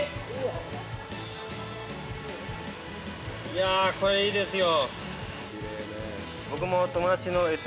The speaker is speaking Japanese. いや、これいいですよ。